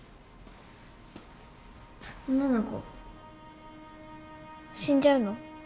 女の子死んじゃうの？